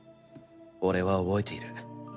俺は覚えている。